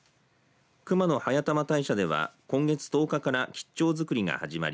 熊野速玉大社では今月１０日から吉兆づくりが始まり